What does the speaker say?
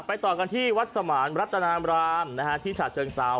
ไปต่อกันที่วัดสมานรัตนารามนะฮะที่ฉาเจิงซาว